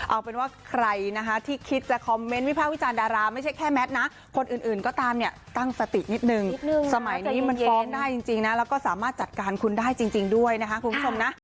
เอาเป็นว่าใครนะคะที่คิดจะคอมเมนต์วิภาควิจารณ์ดาราไม่ใช่แค่แมทนะคนอื่นก็ตามเนี่ยตั้งสตินิดนึงสมัยนี้มันฟ้องได้จริงนะแล้วก็สามารถจัดการคุณได้จริงด้วยนะคะคุณผู้ชมนะ